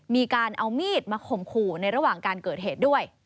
มีการเอามีดมาข่มขู่ในระหว่างการเกิดเหตุด้วย